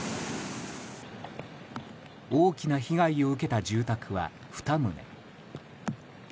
大きな被害を受けた住宅は２棟。